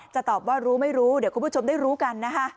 ตอบว่ารู้ไม่รู้เดี๋ยวคุณผู้ชมได้รู้กันนะคะ